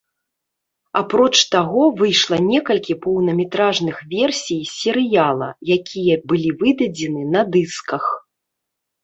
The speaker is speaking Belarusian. Апроч таго, выйшла некалькі поўнаметражных версій серыяла, якія былі выдадзены на дысках.